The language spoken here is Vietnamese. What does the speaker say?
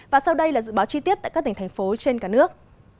và sau đây là dự báo chi tiết tại các tỉnh thành phố trên cả nước